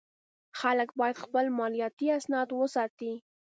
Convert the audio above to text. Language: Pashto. خلک باید خپل مالیاتي اسناد وساتي.